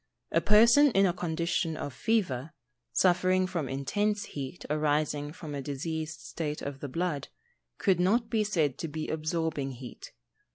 A person in a condition of fever, suffering from intense heat arising from a diseased state of the blood, could not be said to be absorbing heat.